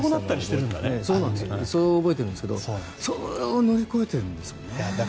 それを覚えてるんですけどそれを乗り越えているんですよね。